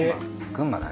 群馬だね。